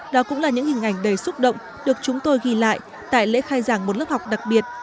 đó cũng là những hình ảnh đầy xúc động được chúng tôi ghi lại tại lễ khai giảng một lớp học đặc biệt